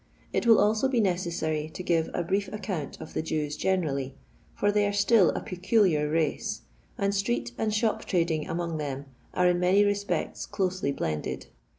It will also be necessary to give a brief account of the Jews generally, for they are still a peculiar race, and street and shop trading among them are in many respects closely blended.